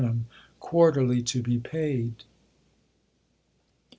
quarterly to be paid.